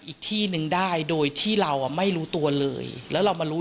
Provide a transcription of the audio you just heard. อีกที่นึงได้โดยที่เราอ่ะไม่รู้ตัวเลยแล้วเรามารู้